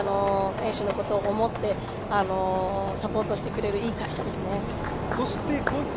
すごく選手のことを思ってサポートしてくれるいい会社ですね。